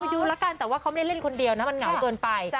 อายุแล้วกันแต่ว่าเขาไม่ได้เล่นคนเดียวนะมันเหงาเกินไป